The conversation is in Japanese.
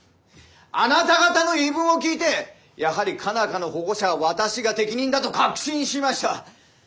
あなた方の言い分を聞いてやはり佳奈花の保護者は私が適任だと確信しました。